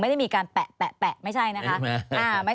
ไม่ได้มีการแปะไม่ใช่นะคะ